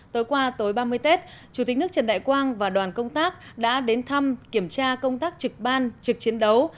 tối qua tối ba mươi tết chủ tịch nước trần đại quang và đoàn công tác đã đến thăm kiểm tra công tác trực ban trực chiến đấu